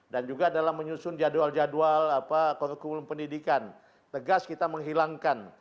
dan juga dalam menyusun jadwal jadwal kurikulum pendidikan tegas kita menghilangkan